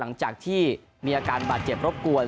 หลังจากที่มีอาการบาดเจ็บรบกวน